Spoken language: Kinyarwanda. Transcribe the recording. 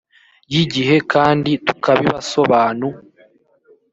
y igihe kandi tukabibasobanu